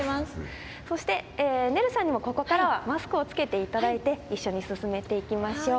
そしてねるさんにもここからはマスクを着けていただいて一緒に進めていきましょう。